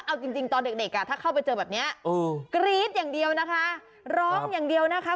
เอาจริงตอนเด็กอ่ะถ้าเข้าไปเจอแบบนี้กรี๊ดอย่างเดียวนะคะร้องอย่างเดียวนะคะ